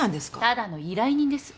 ただの依頼人です。